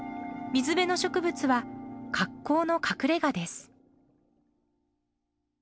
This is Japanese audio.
水辺の植物は格好の隠れがです。